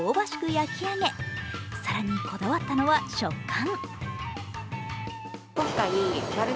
焼き上げ更にこだわったのは食感。